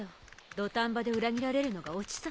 土壇場で裏切られるのがオチさ。